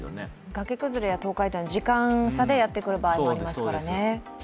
崖崩れや倒壊は時間差でやってくる場合もありますからね。